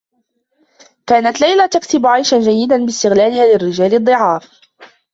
كانت ليلى تكسب عيشا جيّدا باستغلالها للرّجال الضّعاف.